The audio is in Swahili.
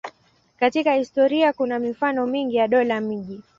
Katika historia kuna mifano mingi ya dola-miji.